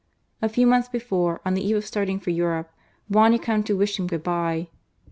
A few months before,' on the eve of starting for Europe, Juan had come to wish him good bye.